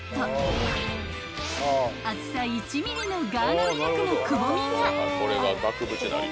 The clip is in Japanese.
［厚さ１ｍｍのガーナミルクのくぼみが］